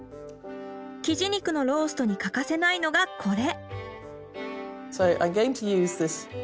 キジ肉のローストに欠かせないのがこれ。